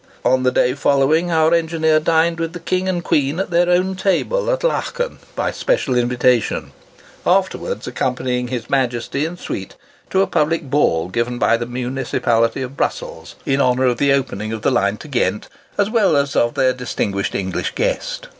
On the day following, our engineer dined with the King and Queen at their own table at Laaken, by special invitation; afterwards accompanying his Majesty and suite to a public ball given by the municipality of Brussels, in honour of the opening of the line to Ghent, as well as of their distinguished English guest.